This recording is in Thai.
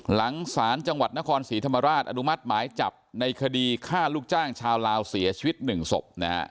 หลังศาลจังหวัดนครศรีธรรมราชอนุมัติหมายจับในคดีฆ่าลูกจ้างชาวลาวเสียชีวิต๑ศพนะฮะ